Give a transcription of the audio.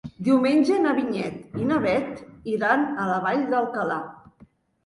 Diumenge na Vinyet i na Bet iran a la Vall d'Alcalà.